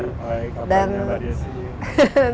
selamat pagi hai kabarnya ada di sini